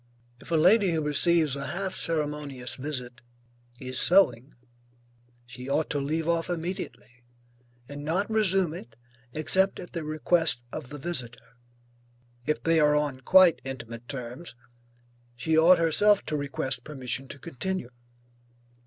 If a lady who receives a half ceremonious visit is sewing, she ought to leave off immediately, and not resume it except at the request of the visitor. If they are on quite intimate terms, she ought herself to request permission to continue.